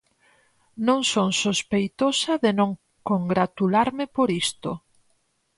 Non son sospeitosa de non congratularme por isto.